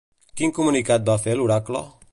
Quin comunicat va fer l'oracle?